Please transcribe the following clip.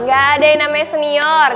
gak ada yang namanya senior